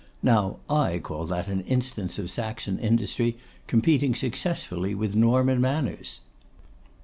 Now I call that an instance of Saxon industry competing successfully with Norman manners.